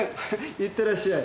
行ってらっしゃい。